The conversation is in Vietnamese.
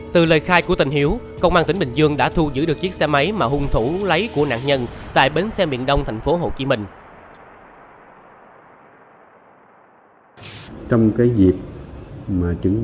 từ lời khai của tình hiếu công an tỉnh bình dương đã thu giữ được chiếc xe máy mà hung thủ lấy của nạn nhân tại bến xe miền đông thành phố hồ chí minh